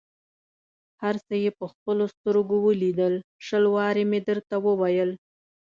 هر څه یې په خپلو سترګو ولیدل، شل وارې مې درته وویل.